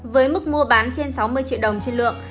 với mức mua bán trên sáu mươi triệu đồng trên lượng